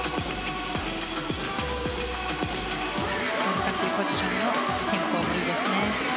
難しいポジションの変更も良いですね。